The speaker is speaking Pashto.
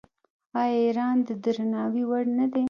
آیا ایران د درناوي وړ نه دی؟